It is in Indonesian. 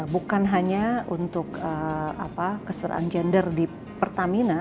bukan hanya untuk keseraan gender di pertamina